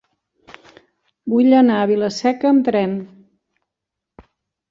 Vull anar a Vila-seca amb tren.